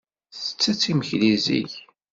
Tettett imekli zik.